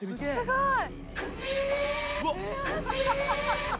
すごい。